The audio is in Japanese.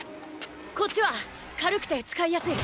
こっちは軽くて使いやすい。